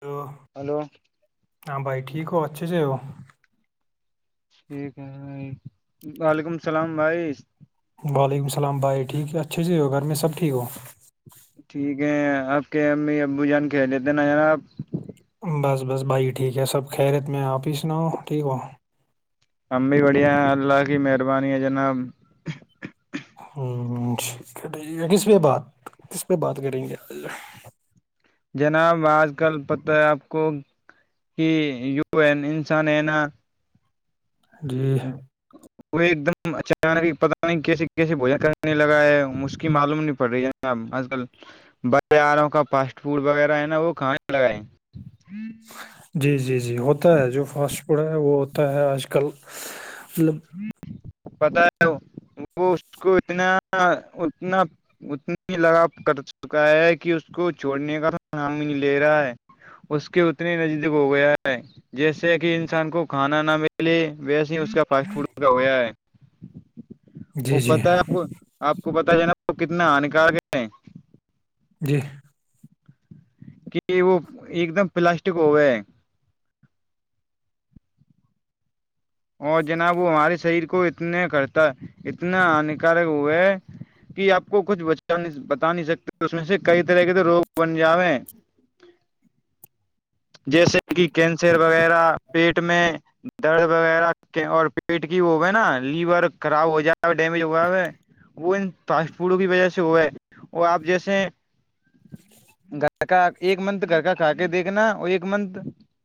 تو ہلو ہاں بھائی ٹھیک ہو اے سے ہو ٹھیک ہے بھائی وعلیکم السلام بھائی وعلیکم السلام بھائی ٹھیک ہے اچھی سےی ہو گھر میں سب ٹھیک ہو ٹھیک ہے آپ کے امی ابو جان کہہ لیتے نا آپ بس بس بھائی ٹھیک ہے سب خیرت میں آپ ہی سناؤ ٹھیک ہو ہم بھی بڑھیا ہیں اللہ کی مہربانی ہے جناب ہ ٹھیک ہے ٹھیک ہے کس پہ بات کس پہ بات کریں گے جناب آج کل پتہ ہے آپ کو کہ یو ا انسان ہے نا جی ہ وہ ایک دم اچانانک پتا نہیں کیسے کیسے بوجن کرنے لگا ہے مش کی معلوم نہیں پڑ رہی ہے کیا آج کل بازاروں کا فاسٹ فوڈ وغیرہ ہے نا وہ کھانے لگائے جی جی جی ہوتا ہے جو فاسٹ فوڈ ہے وہ ہوتا ہے آج کل مطلب پتا ہے وہ اس کو اتنا اتنا اتنی لگا کر چکا ہے کہ اس کو چھوڑنے کا توام ہی نہیں لے رہا ہے اس کے اتنے نزدیک ہو گیا ہے جیسے کہ انسان کو کھانا نہ ملے ویسے اس کا فاسٹ فڈ کا ہو ہے جی وہ جی پتا ہے اپ کو آپ کو پتا ہے نا وہ کتنا ہانکارک ہیں جی کہ وہ ایک دم پلاسٹک ہو گئے ہے اور جناب وہ ہمارے شریر کو اتنے کرتا اتنا ہانیکارک ہوئے کہ آپ کو کچھ بچ بتا نہیں سکتے اس میں سے کئی طرح کے روگ بن جاوے ہیں [unintelligible] جیسے کہ کینسر وغیرہ پیٹ میں درد وغہ اور پیٹ کی وہ ہے نا لیور خراب ہو جا ڈیمیج ہوا ہو وہ انا پڑوں کی وجہ سے وہ ہے اور آپ جیسے گھر کا ایک منتھ گھر کا کھا کے دیکھنا اور ایک منتھ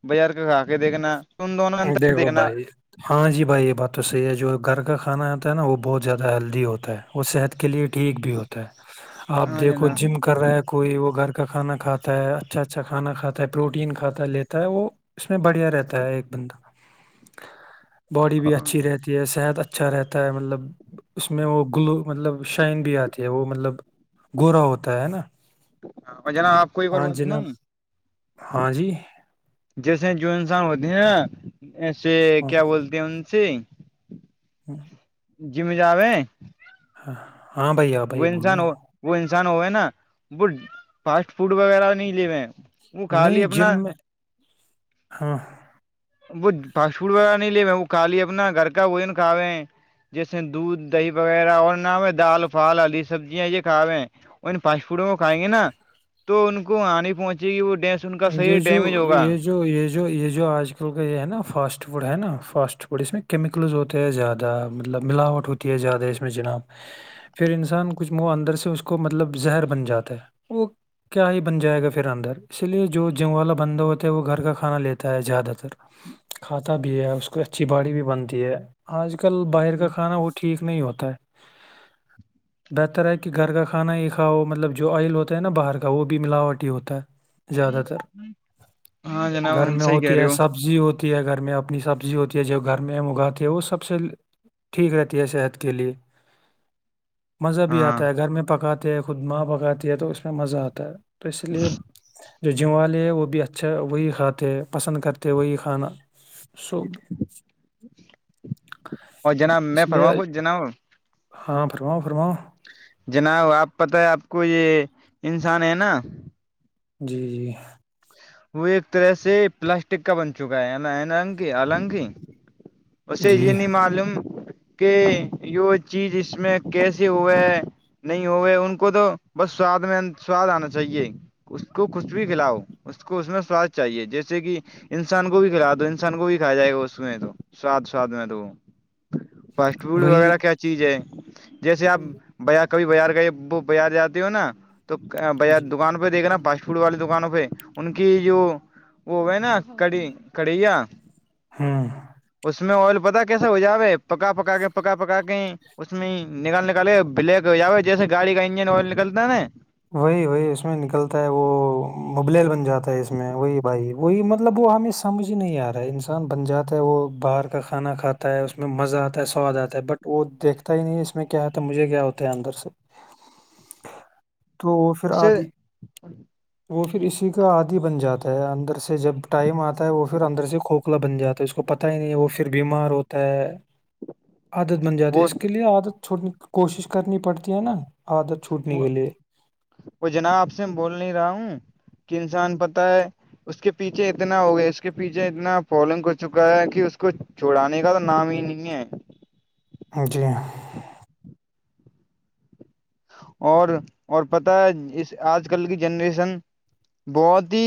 بازار کے کھا کے دیکھنا ان دونوں انتر دیکھو دیکھنا بھائی ہاں جی بھائی یہ بات تو صحیح ہے جو گھر کا کھانا آتا ہے نا وہ بہت زیادہ ہیلدی ہوتا ہے وہ صحت کے لیے ٹھیک بھی ہوتا ہے [unintelligible] [inaudible] آپ دیکھو جم جناب کر رہے ہے کوئی وہ گھر کا کھانا کھاتا ہے اچھا اچھا کھانا کھاتا ہے پروٹین کھاتا ہے لیتا ہے وہ اس میں بڑھیا رہتا ہے ایک بندہ باڈی بھی اچھی اور رہتی صحت اچھا رہتا ہے مطلب اس میں وہ گلو مطلب شائن بھی آتی ہے وہ مطلب گورا ہوتا ہے نا جناب آپ کو ایک اورار ہاں باتتا جناب [unintelligible] ہاں جی جیسے جو انسان ہوتے ہے نا ایسے ہاں کیا بولتے ہیں ان سے ہوں [inaudible] جیمی جااب ہ ہاں بھائی آ بھائی بولو ہو وہ انسان ہوئے نا وہ فاسٹ فوڈ وغیرہ نہیں لیے ہوے ہیں وہ خالی نہیں اپنا جم میں ہاں وہ فاسٹ فوڈ وغیرہ نہیں لے وہ کا لیا اپنا گھر کا وہ ن کھوے ہیں جیسے دودھ دہی وغیرہ اور نہام ہو ہے دال پھال ہدری سبزیاں یہ کھاوے ہیں اور پانسپڑوں کو کھائیں گے نا تو ان کو آنے پہنچے گی وہ ڈس ان کا صحح یہ جو ڈیمیج ہوگا یہ جو یہ جو یہ جو آج کل کا یہ ہے نا فاسٹ فوڈ ہے نا فاسٹ فوڈ اس میں کیمیکلز ہوتے ہیں زیادہ مطلب ملااٹ ہوتی ہے زیادہ میں جناب پھر انسان کچھ منہ اندر سے اس کو مطلب زہر بن جاتا ہے وہ کیا ہی بن جائے گا پھر اندر اسی لیے جو جنگ والا بندہ ہوتا ہے وہ گھر کا کھانا لیتا ہے زیادہ تر کھاتا بھی ہے اس کو اچھی باڑی بھی بنتی ہے آج کل باہر کا کھانا وہ ٹھیک نہیں ہوتا ہے [unintelligible] [inaudible] [inaudible] بہتر ہے کہ گھر کا کھانا ہی کھاؤ مطلب جو آئل ہوتا ہے نا باہر کا وہ بھی ملاوٹ ہی ہوتا ہے زیادہ تر ہاں جناب گھر ہم میں صحیح کہہ ہوتی رہے ہے ہو سب سبزی ہوتی ہے گھر میں اپنی سبزی ہوتی ہے جو گھر میں ہم اگاتی ہیں وہ سب سے ٹھیک رہتی ہے صحت کے لیے [inaudible] [inaudible] مزہ بھی ہاں آتا ہے گھر میں پکاتے ہیں خود ماہ پکاتی ہے تو اس میں مزہ آتا ہے تو اس لیے جو جم والے ہے وہ بھی اچھا وہی کھاتے ہے پسند کرتے وہی کھانا سوب اور جناب میں اس لیے فرماؤں [unintelligible] کچھ [unintelligible] جناب ہاں فرماؤ فرماؤ جناب آپ پتہ ہے آپ کو یہ انسان ہے نا جی جی وہ ایک طرح سے پلاسٹک کا بن چکا ہےنگ النگ اسے یہ جی نہیں معلوم کہ یہ چیز اس میں کیسے ہوا ہے نہیں ہوئے ان کو تو بس سواد میں سواد آنا چاہیے اس کو کچھ بھی کھلاؤ اس کو اس میں سواد چاہیے جیسے کہ انسان کو بھی کھلا دو انسان کو بھی کھایا جائے گا اس میں تو سواد ساد میں تو وہ فاسٹ فوڈ وہی وغیرہ کیا چیز ہے جیسے آپ بیا کبھی بازار گئے وہ بار جاتی ہو نا تو ب جی دکان پہ دیکھا فاسٹ فوڈ وال دکانوں پہ ان کی جو وہ ہے نا کڑی کڑیا ہاں [unintelligible] اس میں آئل پتا کیسا ہو جائے پکا پکا کے پکا پکا کے اس میں ہی نکل نکالے بلیک ہو جاو جیسے گاڑی کا انجن آل نکلتا ہے نا وہی وہی اس میں نکلتا ہے وہ مبلل بن جاتا ہے اس میں وہی بھائی وہی مطلب وہ ہم س مجھے نہیں آ رہا ہے انسان بن جاتا ہے وہ باہر کا کھانا کھا ہے اسس میں مزہ آتا ہے سواد آتا ہے بٹ وہ دیکھتا ہی نہیں ہے اس میں کیا ہوتا مجھے کیا ہوتا ہے اندر سے تو وہ پھر اس آ سے دی [unintelligible] وہ پھر اسی کا آدھی بن جاتا ہے اندر سے جب ٹائم آتا ہے وہ پھر اندر سے کھوک لا بن جاتا ہے اس کو پت ہی نہیں وہ پھر بیمار ہوتا ہے عادت بن جاتی ہے وہ اس کے لیے عادت چھوڑنے کی کوشش کرنی پڑتی ہے نا عادت چھوٹ نہیں کے لیے وہ جناب آپ سے میں بول نہیں رہا ہوں کہ انسان پتا ہے اس کے پیچھے اتنا ہو گیا اس کے پیچھے اتنا پالنگ ہو چکا ہے کہ اس کو چھڑانے کا تو نام ہی نہیں ہے [unintelligible] اور اور پتہ ہے اس آج کل کی جنریشن بہت ہی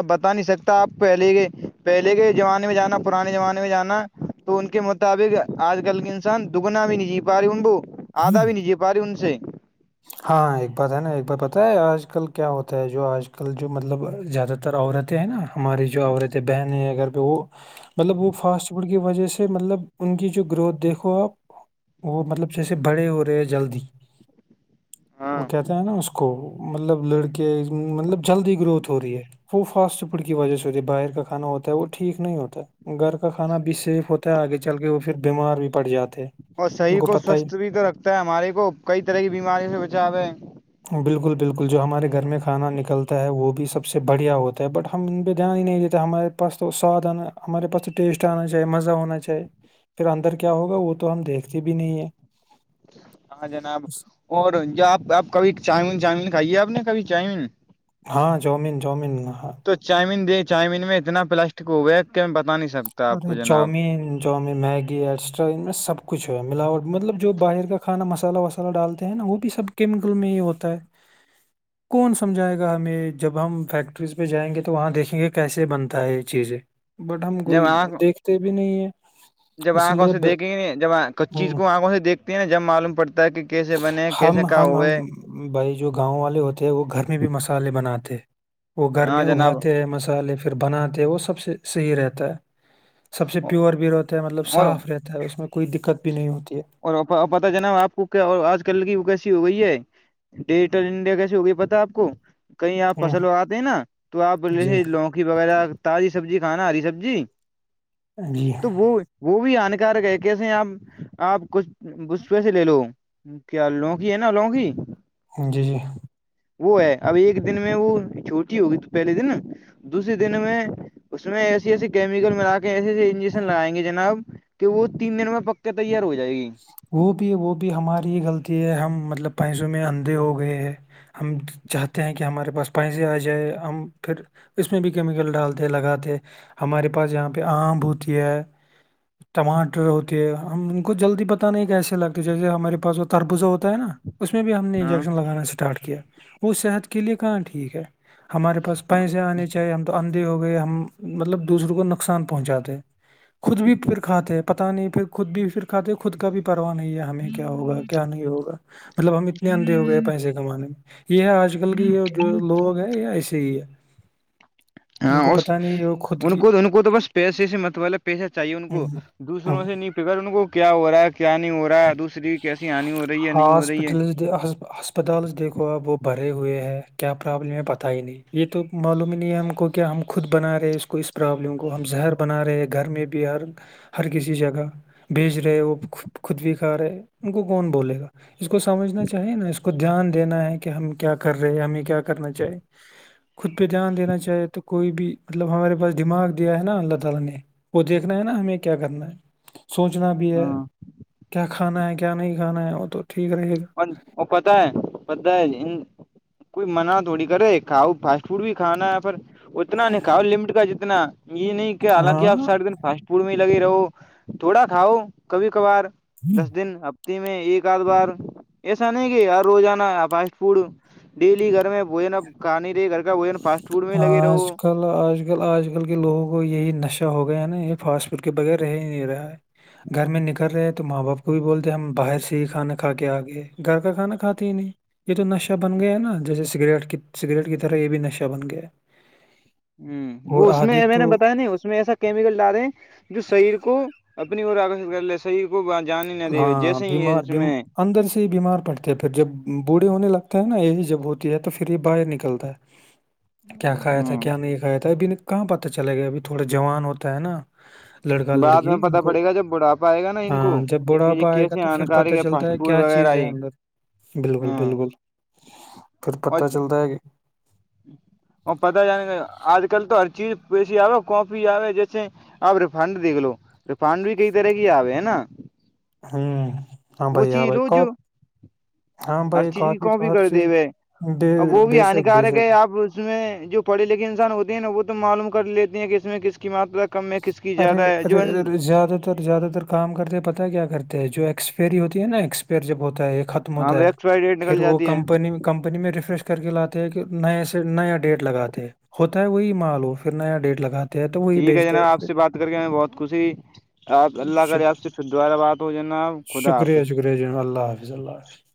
اب بتا نہیں سکتا آپ پہلے کے پہلے کے زمانے میں جانا پرانے زمانے میں جانا تو ان کے مطابق آج کل کے انسان دگنا بھی نہیں جی پا رہی ابو آدا بھی نہیںی جے پا رہی ان سے ہاں ایک بات ہے نا ایک بار پتا ہے آج کل کیا ہوتا ہے جو آج کل جو مطلب زیادہ عورتیں ہیں نا ہماری جو عورتیں بہنیں ہیںھر پہ وہ مطلب وہ فاسٹ فوڈ کی وجہ سے مطلب ان کی جو گروتھ دیکھو آپ وہ مطلب جیسے بڑے ہو رہے ہیں جلدی ہاں وہ کہتے ہیں نا اس کو مطلب لڑکے مطلب جلدی گروتھ ہو رہی ہے وہ فاسٹ فوڈ کی وجہ سے ہوتی ہے باہر کا کھانا ہوتا ہے وہ ٹھیک نہیں ہوتا ہے گھر کا کھانا بھی سیف ہوتا ہے آگے چل کے وہ پھر بیمار بھی پڑ جاتا ہے اور شہر کو سوستھ بھی تو رکھتا ہے ہمارے کو کئی طرح کی بیماریوں سے بچاو ہے بالکل بالکل جو ہمارے گھر میں کھانا نکلتا ہے وہ بھی سب سے بڑھیا ہوتا ہے بٹ ہم ان پہ دھیان ہی نہیں دیتے ہمارے پاس تو سواد آنا ہمارے پاس تو ٹیسٹ آنا چاہی مزہ ہونا چاہیے پھر اندر کیا ہوگا وہ تو ہم دیکھتے بھی نہیں ہے ہاں جناب اور ج آپ اپ کبھی چاؤمین چاؤمین کھائیے آپ نے کبھی چاؤمین ہاں جومین جومیناں تو چائمین دے چؤمین میں اتنا پلاسٹک ہو گیا ہے کہ میں بتا نہیں سب اور چاؤمین چؤن میگی ایٹسٹرا ان میں سب کچھ ہے ملاوٹ ملب جو باہر کا کھانا مسالہ و مسالہ ڈالتے ہیں نا وہ بھی سب کیمیکل میں ہی ہوتا ہے [unintelligible] کون سمجھائے گا ہمیں جب ہم فیکٹریز پہ جائیں گے تو وہاں دیکھیں گے کیسے بنتا ہے یہ چیزیں بٹ ہم کوئی دیکھتے بھی نہیں ہے جب آنکھ اس لیے سے ب- دیکھیں گے جب کچ چیز ہم کو آنکھوں سے دیکتے ہیں نا جب معلوم پڑتا ہے کہ کیسے بنے کیسے ہم کیا ہم ہم ہوئے بھائی جو گاؤں والے ہوتے ہیں وہ گھر میں بھی مسالے بناتے وہ گھر ہاں میں جناب ابھاتے ہیں مسالحے پھر بناتے ہیں وہ سب سے صحیح رہتا ہے سب سے پیور بھی رہتا ہے مطلب اور صاف رہتا ہے اس میں کوئی دقت بھی نہیں ہوتی ہے اور پتتا ج ن آپ کو کیا آج کلگی وہ کیسی ہو گئی ہے ڈیجیٹل انڈیا کیسے ہوگئی پتا آپ کو کہیں آپ ہوں فصل اگاتے ہیں نا تو آپول جی جسے لوگ سکی وغیرہ تازی سبزی کھانا ہ رہ سبزی جی تو وہ وہ بھی ہانکارک ہے کیسے آپ آپ کچھ بس پی سے لے لو کیا لونکی ہے نا لونکی جی جی وہ ہے اب ایک دن میں وہ چھوٹی ہوگی تو پہلے دن دوسری دن میں اس میں ایسی ایسی کیمیکل ملا کے ایسے ایسے انجیکشن لگائیں گے جناب کہ وہ تین دن میں پک کے تیار ہو جائے گی وہ بھی وہ بھی ہماری غلطی ہے ہم مطلب پیسوں میں اندھے ہو گئے ہیں ہم چاہتے ہیں کہ ہمارے پاس پیسے آ جائے ہم پھر اس میں بھی کیمیکل ڈالتے لگاتے ہمارے پاس یہاں پہ آم ب ہوتی ہے ٹماٹر ہوتے ہے ہم ان کو جلدی ب نہیں کیسے لگتے جیسے ہمارے پس تربوزا ہوتا ہے نا اس میں بھی ہم نے ہاں انجیکشن لگانا اسٹارٹ کیا وہ صحت کے لیے کہاں ٹھیک ہے ہمارے پاس پیسے آنے چاہیے ہم تو انر ہو گئے ہم مطلب دوسروں کو نقصان پہنچاتے خود بھی پھر کھاتے ہیں پتہ نہیں پھر خود بھی پھر کھاتے خود کا بھی پرواہ نہیں ہے ہمیں کیا ہوگا کیا نہیں ہوا مطلب ہم اتنے اندھے ہو گئے پیسے زمانے میں یہ ہے آج کل کی یہ جو لوگ ہیں یہ ایسے ہی ہے ان ہاں کو اس پتہ نہیں ہے وہ خود ان کی کو تو ان کو تو بس پیسے سے مت وال پیسہ چاہیے ان کو ہوں دوسروں ہوں سے نہیں فکر ان کو کیا ہو رہا ہے کیا نہیں ہو رہا ہے دوسری کیسی ہانی ہو رہی ہےیا نہیں ہو رہی ہے ہسپتال دیکھو آب وہ بھرے ہوئے ہیں کیا پرابلم ہے پت ہی نہیں یہ تو معلوم ہی نہیں ہے ہم کو کیا ہم خود بنا رہے ہیں اس کو اس پرابلم کو ہم زہر بنا رہے ہیں گھر میں بھی ہر ہر کسی جگہ بھیج رہے وہ خود بھی کھا رہے ان کو کون بولے گا اس کو سمجھنا چاہیے نا اس کو دھیان دینا ہے کہ ہم کیا کر رہے ہیں ہمیں کیا کرنا چاہی خود پہ جان دینا چاہے تو کوئی بھی مطلب ہمارے پاس دماغ دیا ہے نا اللہ تعالی نے وہ دیکھنا ہے نا ہمیں کیا کرنا ہے سوچنا بھی ہے ہاں کیا کھانا ہے کیا نہیں کھانا ہے وہ تو ٹھیک رہے گا وہ پتہ ہے پت ہے کوئی مناع تھوڑی کرے کاؤ فاسٹ فوڈ بھی کھانا ہے پر اتنا نہیں کہا لمٹ کا جتنا یہ نہیں کہ حالانکہ آپ ہاں سارے دن فاسٹ پمی لگی رہو تھوڑا کھاؤ کبھی کبھار دس دن اب میں ایک آدھ بار ایسا نہیں کہ روزانہ فاسٹ فوڈ ڈیلی گھر میں بوجن اب کھانی رہے گھر کا بھجن ہ آج کل م آج کل آج کل کے لوگوں کو یہی نشہ ہو گیا ہے نا یہ فاسٹ فوڈ کے بغیر رہ ہی نہیں رہا ہے گھر میں نکل رہے تو ماں باپ کو بھی بولتے ہم باہر سے ہی کھانا کھا کے آگے گھر کا کھانا کھاتے ہی نہیں یہ تو نشہ بن گیا ہے نا جیسے سگریٹ کی سگریٹ کی طرح یہ بھی نشہ بن گیا ہے ہ اور وہ اس آدھے میں میں نے تو بتایا نہیں اس میں ایسا کیمیکل ڈالے ہیں جو شریر کو اپنی اور آکشت کر لے سبح کو جان ہی نہ دے ہاں جیسے ہی بیمار اس بیم میں اندر سے ہی بیمار پڑتے ہیں پھر جب بوڑھے ہونے لگتے ہیں نا ایج جب ہوتی ہے تو پھر یہ باہر نکلتا ہے [unintelligible] کیا کھایا تھا ہ کیا نہیں کھایا تھا ابھی کہاں پتا چلاے گیا ابھی تھوڑا جوان ہوتا ہے نا لڑکا بعد میں لڑکی ان پتا کو پڑے گا جب بڑھاپا آئے گا نا ہ ان کو کہ یہ ا آئے گا کیسے تو پھر پت ہانکارک چلتا فاسٹ ہے فوڈ کیا چیز وغیرہ ہے یہ اندر بالکل ہاں بالکل پھر اور پتا چلتا ہے کہ اور پتا جانے گ آج کل تو ہر چیز پیسی آ کافی آ جیسے اب ریفنڈ دیکھ لو ریفنڈ بھی کئی طرح کی آو ہے نا ہوں ہاں وہ بھائی ہاں چیز بھائی رو جو کاپ ہاں ہر بھائی چیز کی تو کاپی ہر کر چیز دے ہوئے بے اب وہ بھی بے شک بے ہانیکارک ہے شک آپ اس میں جو پڑے لکھے انسان ہوتے ہیں نا وہ تو معلوم کر لیتی ہیں کہ اس میں کس ق مات رکھ کم میں کس کی ارے زیادہ ہے جو ارے ارے زیادہ زیادہ تر کام کرتے ہیں پتا کیا کرتے ہیں جو ایکسپری ہوتی ہے نا ایکسپئر جب ہوتا ہے خ ہاں ختمتا ہے ویکس وائڈ ریٹ نکل پھر وہ جاتی ہے کمپنی کمپنی میں ریفریش کر کے لاتے ہیں کہ نئے سے نیا ڈیٹ لگاتے ہیں ہوتا ہے وہی مال ہو پھر نیا ڈیٹ لگاتے ہیں تو وہی ٹھیک ہے بیچتے جناب آپ سے بات کر کے میں بہت خوشی آپ پھر اللہ کریے آپ سے پھر دوبارہ بات ہو جانا آپ خدا حافظ ب اللہ حفظ اللہ حاظ